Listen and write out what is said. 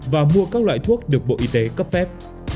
và mua các loại thuốc được bộ y tế cấp phép